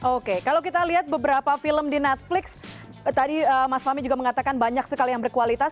oke kalau kita lihat beberapa film di netflix tadi mas fahmi juga mengatakan banyak sekali yang berkualitas